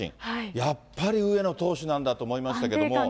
やっぱり、上野投手なんだと思いましたけども。